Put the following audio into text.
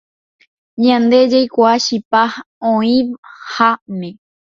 Ñande jaikuaa chipa oĩháme